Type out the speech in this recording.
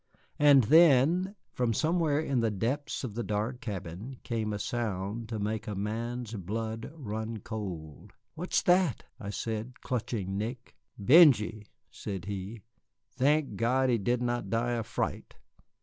And then, from somewhere in the depths of the dark cabin, came a sound to make a man's blood run cold. "What's that?" I said, clutching Nick. "Benjy," said he; "thank God he did not die of fright."